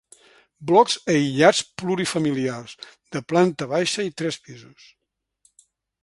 Blocs aïllats plurifamiliars, de planta baixa i tres pisos.